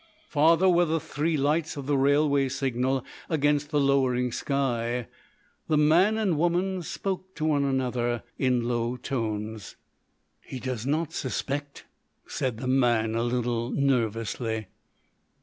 Farther were the three lights of the railway signal against the lowering sky. The man and woman spoke to one another in low tones. "He does not suspect?" said the man, a little nervously.